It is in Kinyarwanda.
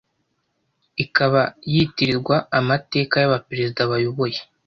ikaba yitirirwa amateka y’abaperezida bayoboye